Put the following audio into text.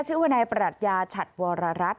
ชื่อว่านายประหลัดยาชัดวรรัส